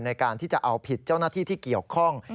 ในการที่จะเอาผิดเจ้าหน้าที่ที่เกี่ยวข้อง